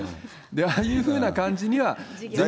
ああいうふうな感じには。